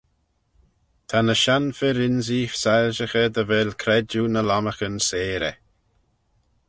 Ta ny shenn fir-ynsee soilshaghey dy vel credjue ny lomarcan seyrey.